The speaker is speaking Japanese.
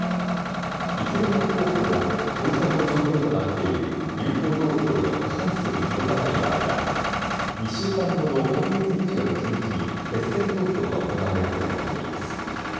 いずれの候補も当選の条件となっている有効投票の過半数に届かない場合は２週間後の今月２８日に決選投票が行われることになっています。